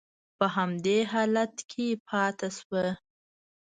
په همدې حالت کې پاتې شوه.